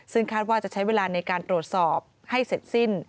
ซึ่งคาดว่าจะใช้เวลาในการตรวจสอบให้เสร็จสิ้น